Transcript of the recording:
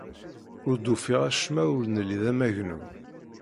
Ur d-ufiɣ acemma ur nelli d amagnu.